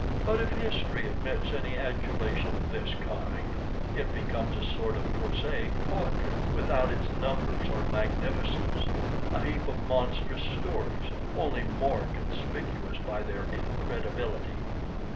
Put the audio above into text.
But if history admits any adulation of this kind, it becomes a sort of prosaic poetry, without its numbers or magnificence; a heap of monstrous stories, only more conspicuous by their incredibility.